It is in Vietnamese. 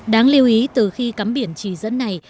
đáng lưu ý từ khi cắm biển chỉ dẫn này